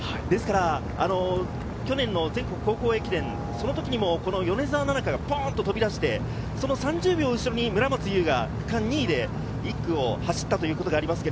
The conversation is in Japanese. ですから、去年の全国高校駅伝、その時にも米澤奈々香がポンと飛び出して、その３０秒後ろに村松結が区間２位で１区を走ったということがあります。